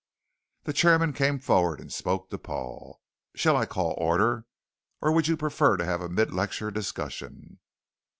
The chairman came forward and spoke to Paul: "Shall I call order, or would you prefer to have a mid lecture discussion?"